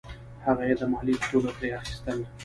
هغه یې د مالیې په توګه ترې اخیستل.